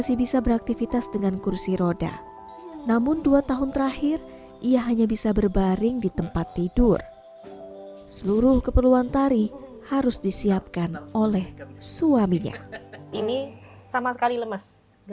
masih bisa beraktivitas dengan kursi roda namun dua tahun terakhir ia hanya bisa berbaring di tempat tidur seluruh keperluan tari harus disiapkan oleh suaminya